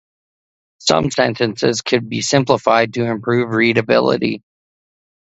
Some sentences could be simplified to improve readability.